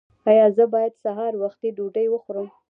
ایا زه باید سهار وختي ډوډۍ وخورم؟